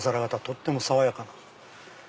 とっても爽やかな。